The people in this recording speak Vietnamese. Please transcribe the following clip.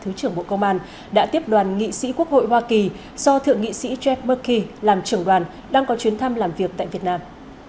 thượng tướng bộ công an đã tiếp đoàn nghị sĩ quốc hội hoa kỳ do thượng nghị sĩ jeff mckee làm trưởng đoàn đang có chuyến thăm làm việc tại việt nam